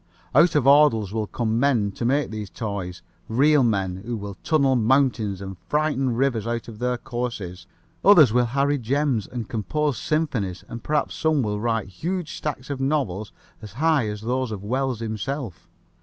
Out of Audle's will come men to make these toys real men who will tunnel mountains and frighten rivers out of their courses. Others will harry germs and compose symphonies and perhaps some will write huge stacks of novels as high as those of Wells himself.